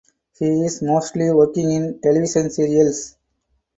He is mostly working in television serials.